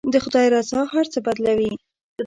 د خدای رضا هر څه بدلوي.